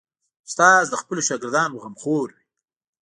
استاد د خپلو شاګردانو غمخور وي.